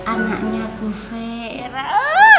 anaknya bu fera